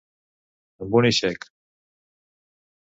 Amb un aixec.